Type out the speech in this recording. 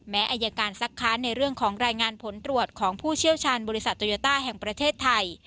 อายการซักค้านในเรื่องของรายงานผลตรวจของผู้เชี่ยวชาญบริษัทโตโยต้าแห่งประเทศไทย